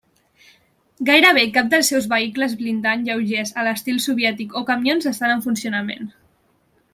Gairebé cap dels seus vehicles blindats lleugers a l'estil soviètic o camions estan en funcionament.